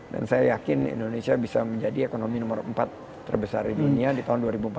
dan saya yakin indonesia bisa menjadi ekonomi nomor empat terbesar di dunia di tahun dua ribu empat puluh lima